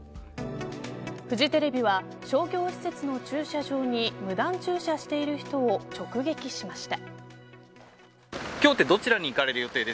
フジテレビは商業施設の駐車場に無断駐車している人を直撃しました。